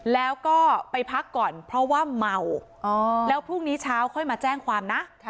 แล้วก็ไปพักก่อนเพราะว่าเมาแล้วพรุ่งนี้เช้าค่อยมาแจ้งความนะ